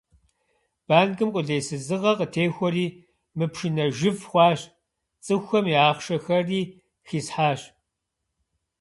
Банкым къулейсызыгъэ къытехуэри мыпшынэжыф хъуащ, цӏыхухэм я ахъшэхэри хисхьащ.